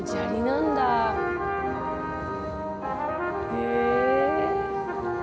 へえ。